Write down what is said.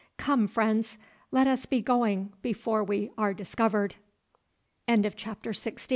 Come, friends, let us be going before we are discovered." CHAPTER XVII.